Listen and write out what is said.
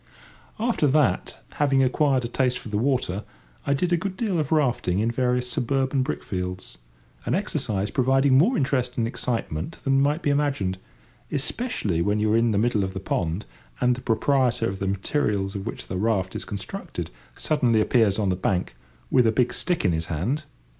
After that, having acquired a taste for the water, I did a good deal of rafting in various suburban brickfields—an exercise providing more interest and excitement than might be imagined, especially when you are in the middle of the pond and the proprietor of the materials of which the raft is constructed suddenly appears on the bank, with a big stick in his hand.